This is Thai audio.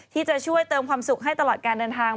ที่จะช่วยเติมความสุขให้ตลอดการเดินทาง